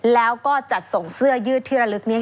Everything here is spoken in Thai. แล้วก็จัดส่งเสื้อยืดที่ระลึกนี้